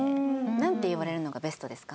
なんて言われるのがベストですか？